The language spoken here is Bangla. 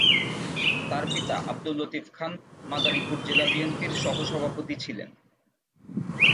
তার পিতা আবদুল লতিফ খান মাদারীপুর জেলা বিএনপির সহসভাপতি ছিলেন।